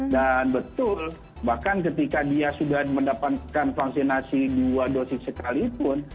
dan betul bahkan ketika dia sudah mendapatkan vaksinasi dua dosis sekalipun